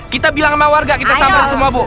kita bilang sama warga kita sampel semua bu